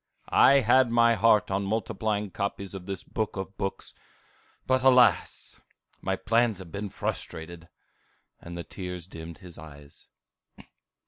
I had my heart on multiplying copies of this Book of books, but alas! my plans have been frustrated!" and the tears dimmed his eyes.